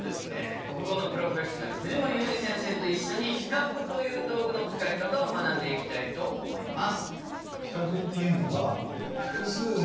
国語のプロフェッショナル藤森裕治先生と一緒に比較という道具の使い方を学んでいきたいと思います。